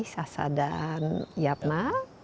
sasa dan yatna